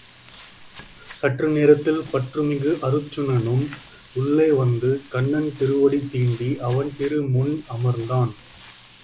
சற்று நேரத்தில் பற்றுமிகு அருச்சுனனும் உள்ளே வந்து கண்ணன் திருவடி தீண்டி அவன் திரு முன் அமர்ந் தான்.